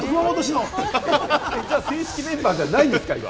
正式メンバーじゃないんですか？